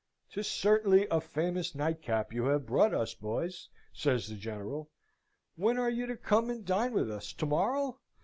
"'Tis certainly a famous nightcap you have brought us, boys," says the General. "When are you to come and dine with us? To morrow?"